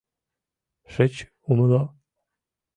Шыч умыло?